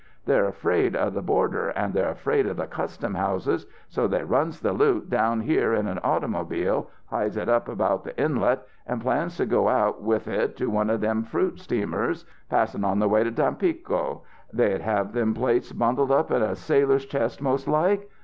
They're afraid of the border an' they're afraid of the custom houses, so they runs the loot down here in an automobile, hides it up about the Inlet, and plans to go out with it to one of them fruit steamers passing on the way to Tampico. They'd have them plates bundled up in a sailor's chest most like.